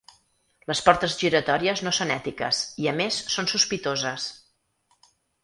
Les portes giratòries no són ètiques i a més són sospitoses.